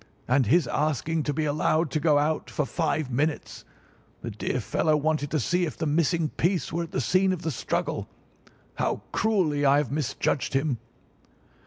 And his asking to be allowed to go out for five minutes! The dear fellow wanted to see if the missing piece were at the scene of the struggle. How cruelly I have misjudged him!"